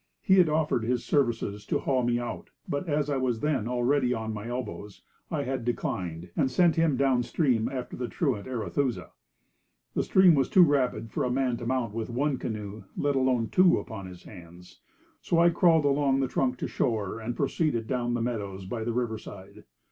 He had offered his services to haul me out, but as I was then already on my elbows, I had declined, and sent him down stream after the truant Arethusa. The stream was too rapid for a man to mount with one canoe, let alone two, upon his hands. So I crawled along the trunk to shore, and proceeded down the meadows by the river side.